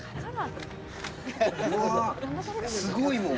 うわあ、すごいもん。